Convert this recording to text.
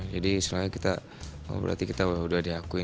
jadi sebenarnya kita oh berarti kita udah diakui nih